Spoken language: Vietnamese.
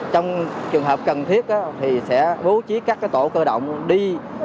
trong trường hợp cần thiết sẽ bố trí các tổ cơ động đi